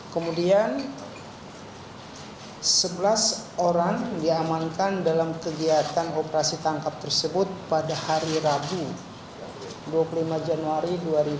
kemudian sebelas orang diamankan dalam kegiatan operasi tangkap tersebut pada hari rabu dua puluh lima januari dua ribu dua puluh